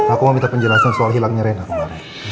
aku mau minta penjelasan soal hilangnya ren aku malah